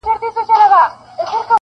• بريالي به را روان وي -